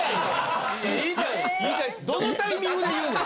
どのタイミングで言うの？